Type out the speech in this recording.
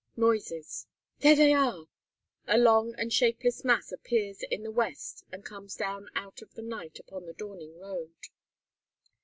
Noises; "There they are!" A long and shapeless mass appears in the west and comes down out of the night upon the dawning road.